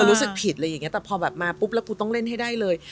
รู้สึกผิดอะไรอย่างเงี้แต่พอแบบมาปุ๊บแล้วกูต้องเล่นให้ได้เลย